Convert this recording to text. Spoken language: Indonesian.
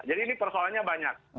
jadi ini persoalannya banyak